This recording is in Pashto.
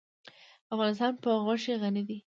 افغانستان په غوښې غني دی.